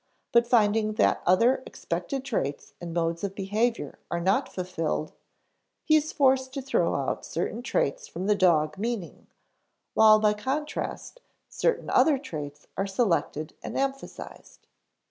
But finding that other expected traits and modes of behavior are not fulfilled, he is forced to throw out certain traits from the dog meaning, while by contrast (see p. 90) certain other traits are selected and emphasized.